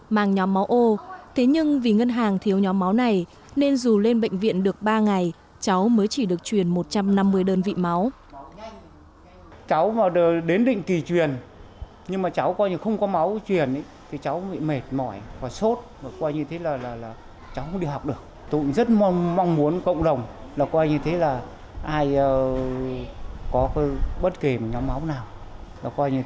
mang nhóm máu ô thế nhưng vì ngân hàng thiếu nhóm máu này nên dù lên bệnh viện được ba ngày cháu mới chỉ được chuyển một trăm năm mươi đơn vị máu